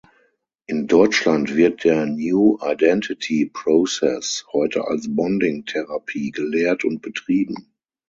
In Deutschland wird der New-Identity-Process heute als Bonding-Therapie gelehrt und betrieben.